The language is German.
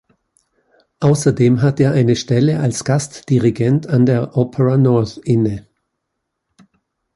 Außerdem hat er eine Stelle als Gastdirigent an der Opera North inne.